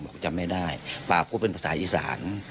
จำไม่ได้ปากพูดเป็นภาษาอีสาน